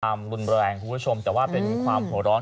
รุนแบรนด์พวกผู้ชมแต่ว่าเป็นความโผล่ร้อน